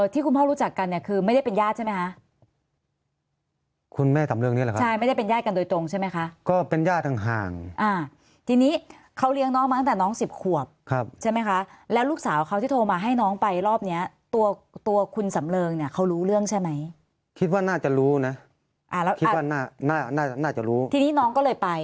ที่คุณพ่อรู้จักกันเนี่ยคือไม่ได้เป็นญาติใช่ไหมคะคุณแม่สำเริงนี่แหละครับใช่ไม่ได้เป็นญาติกันโดยตรงใช่ไหมคะก็เป็นญาติห่างทีนี้เขาเลี้ยงน้องมาตั้งแต่น้องสิบขวบใช่ไหมคะแล้วลูกสาวเขาที่โทรมาให้น้องไปรอบเนี้ยตัวตัวคุณสำเริงเนี่ยเขารู้เรื่องใช่ไหมคิดว่าน่าจะรู้นะอ่าแล้วคิดว่าน่าจะน่าจะรู้ทีนี้น้องก็เลยไป